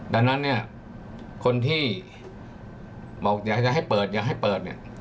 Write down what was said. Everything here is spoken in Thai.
ดังนั้นเนี่ยคนที่บอกอยากจะให้เปิดอยากให้เปิดเนี่ย